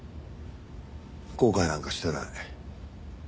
後悔なんかしてない。